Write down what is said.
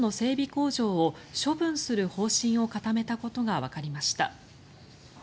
工場を処分する方針を固めたことがわかりました。